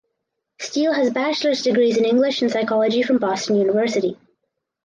Steele has bachelor’s degrees in English and psychology from Boston University.